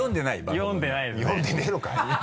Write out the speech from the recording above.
読んでねぇのかよ。